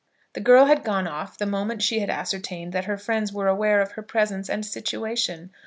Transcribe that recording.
The girl had gone off the moment she had ascertained that her friends were aware of her presence and situation.